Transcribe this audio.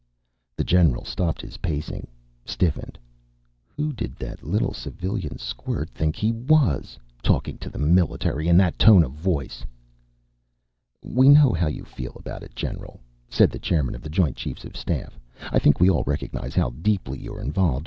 The general stopped his pacing, stiffened. Who did that little civilian squirt think he was, talking to the military in that tone of voice! "We know how you feel about it, General," said the chairman of the joint chiefs of staff. "I think we all recognize how deeply you're involved.